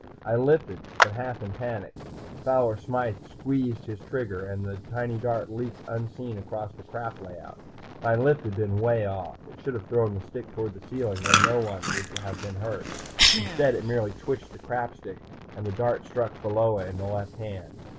I lifted, but half in panic. Fowler Smythe squeezed his trigger and the tiny dart leaped unseen across the crap layout. My lift had been way off it should have thrown the stick toward the ceiling, where no one would have been hurt. Instead it merely twitched the crap stick, and the dart struck Pheola in the left hand.